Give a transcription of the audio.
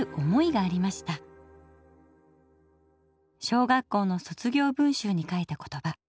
小学校の卒業文集に書いた言葉。